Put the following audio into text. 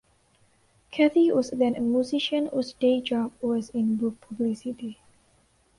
Kathi was then a musician whose day job was in book publicity.